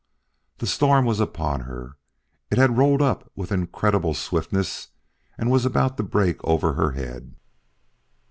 The storm was upon her. It had rolled up with incredible swiftness and was about to break over her head.